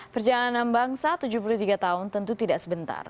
perjalanan bangsa tujuh puluh tiga tahun tentu tidak sebentar